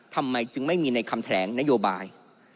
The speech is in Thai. ทำไมจึงไม่มีในคำแถลงนโยบาย